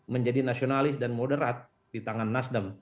menjadi nasionalis dan moderat di tangan nasdem